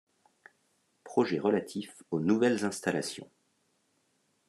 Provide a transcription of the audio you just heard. Projet relatif aux nouvelles installations.